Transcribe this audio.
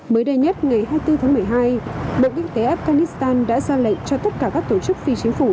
mới đây nhất ngày hai mươi bốn tháng một mươi hai bộ kinh tế afghanistan đã ra lệnh cho tất cả các tổ chức phi chính phủ